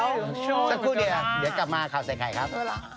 สักครู่เดียวเดี๋ยวกลับมาข่าวใส่ไข่ครับ